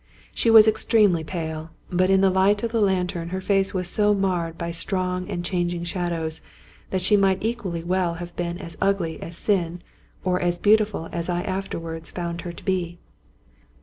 She was extremely pale; but in the light of the lantern her face was so marred by strong and changing shadows, that she might equally well have been as ugly as sin or as beautiful as I afterwards found her to be.